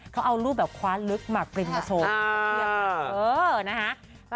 เขาเอารูปแบบคว้าลึกมาร์คปริ้นมาโชว์